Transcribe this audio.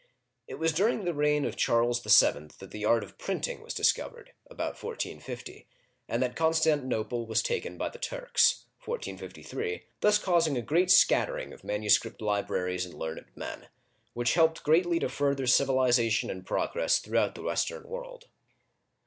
It was during the reign of Charles VII. that the art of printing was discovered (about 1450), and that Constanti nople was taken by the Turks (1453), thus causing a great scattering of manuscript libraries and learned men, which helped greatly to further civilization and progress through out the Western world.